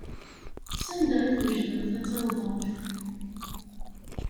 Sanda i twejdemt ad tawḍemt?